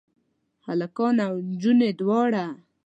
هلکان او انجونې دواړه؟